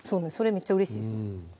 めっちゃうれしいですね